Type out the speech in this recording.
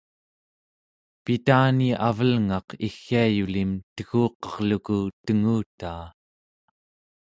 pitani avelngaq iggiayulim teguqerluku tengutaa